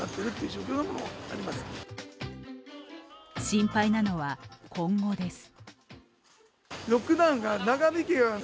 心配なのは今後です。